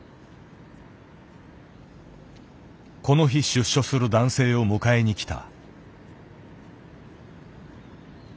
この日出所する男性を迎えにきた。